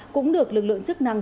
cũng được lực lượng chức năng